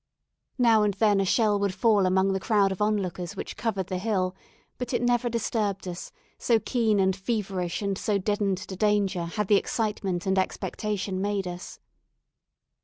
Now and then a shell would fall among the crowd of on lookers which covered the hill; but it never disturbed us, so keen and feverish and so deadened to danger had the excitement and expectation made us.